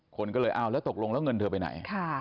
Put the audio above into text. คนก็เลยตกลงแล้วเงินเธอไปไหน